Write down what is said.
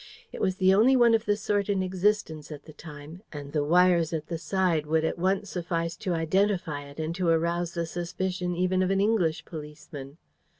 It was the only one of the sort in existence at the time, and the wires at the side would at once suffice to identify it and to arouse the suspicion even of an English policeman.